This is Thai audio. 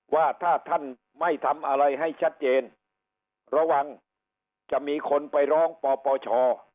ว่าถ้าท่านไม่ทำอะไรให้ชัดเจนระวังจะมีคนไปร้องปปช